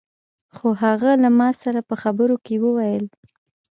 خو هغه له ما سره په خبرو کې وويل.